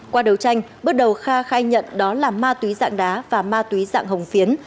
qua đấu tranh bước đầu kha khai nhận đó là ma túy dạng đá và ma túy dạng hồng phiến